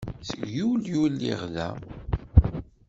Seg Yulyu i lliɣ da.